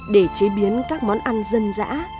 để chế biến các món ăn dân dã